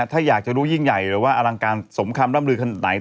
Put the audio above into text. ถ้าอยากจะรู้ยิ่งใหญ่หรือว่าอลังการสมคำร่ำลือขนาดไหน